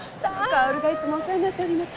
薫がいつもお世話になっております。